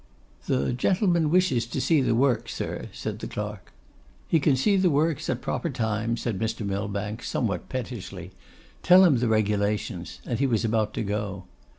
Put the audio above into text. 'The gentleman wishes to see the works, sir,' said the clerk. 'He can see the works at proper times,' said Mr. Millbank, somewhat pettishly; 'tell him the regulations;' and he was about to go.